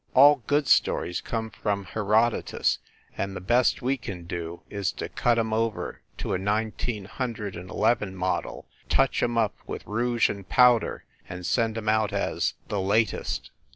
All good stories come from Herodotus, and the best we can do is to cut em over to a nineteen hundred and eleven model, touch em up with rouge and powder and send em out as The Latest.